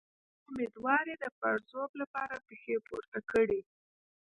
د امیدوارۍ د پړسوب لپاره پښې پورته کړئ